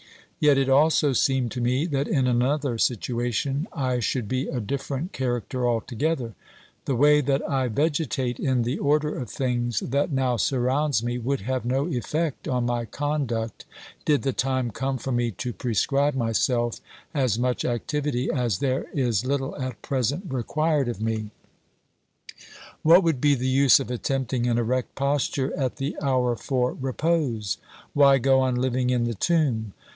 Yet it also seemed to me that in another situation I should be a dif ferent character altogether. The way that I vegetate in the order of things that now surrounds me would have no effect on my conduct did the time come for me to prescribe myself as much activity as there is little at present required of me. OBERMANN 357 What would be the use of attempting an erect posture at the hour for repose? Why go on living in the tomb?